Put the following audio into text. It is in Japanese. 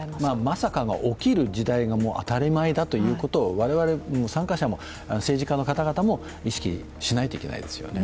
まさかが起きる時代がもう当たり前だということを我々、参加者も政治家の方々も意識しないといけないですよね。